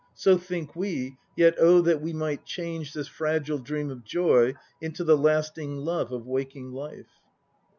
So think we, yet oh that we might change This fragile dream of joy Into the lasting love of waking life!